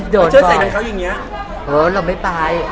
โดนต่อยเราไม่ตาย